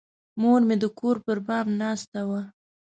مور مې د کور پر بام ناسته وه.